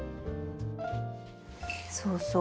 そうそう。